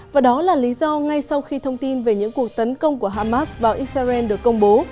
và đó là lý do ngay sau khi thông tin về những cuộc tấn công của hamas vào israel được công bố